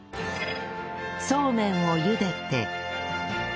そうめんを茹でて